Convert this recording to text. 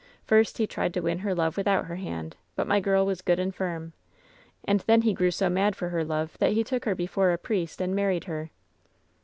First he tried to win her love without her hand ; but my girl was good and firm ; and then he grew so mad for her love that he took her before a priest and mar ried her.